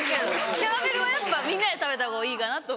キャラメルはやっぱみんなで食べた方がいいかなと思って。